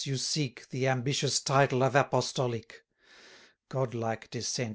you seek The ambitious title of Apostolic: God like descent!